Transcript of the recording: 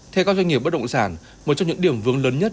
theo các doanh nghiệp bất động sản một trong những điểm vướng lớn nhất